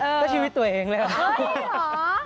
ก็ชีวิตตัวเองเลยครับ